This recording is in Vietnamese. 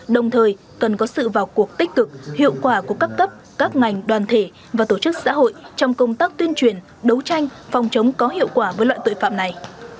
đồng thời cần có sự vào cuộc tích cực hiệu quả của các cấp các ngành đoàn thể và tổ chức xã hội trong công tác tuyên truyền đấu tranh phòng chống có hiệu quả với loại tội phạm này